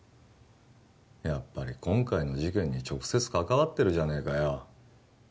やっぱり今回の事件に直接関わってるじゃねえかよ